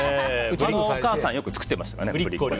うちのお母さんよく作っていました。